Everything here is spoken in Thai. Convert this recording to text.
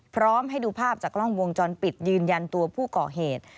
พร้อมให้ดูภาพจากกล้องวงจรปิดยืนยันตัวผู้ก่อเหตุ